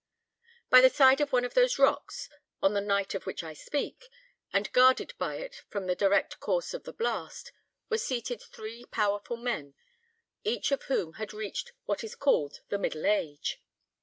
By the side of one of those rocks, on the night of which I speak, and guarded by it from the direct course of the blast, were seated three powerful men, each of whom had reached what is called the middle age.